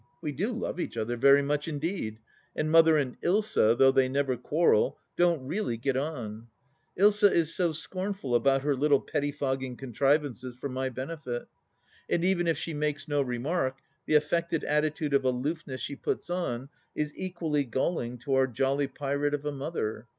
We do love each other very much indeed, and Mother and Ilsa, though they never quarrel, don't really get on: Ilsa is so scornful about her little pettifogging contrivances for my benefit ; and even if she makes no remark, the affected attitude of aloofness she puts on is equally galling to our jolly pirate of a mother.